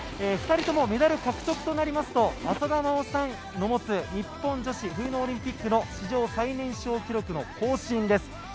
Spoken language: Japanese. ２人ともメダル獲得となりますと浅田真央さんの持つ日本女子冬のオリンピックの史上最年少記録の更新です。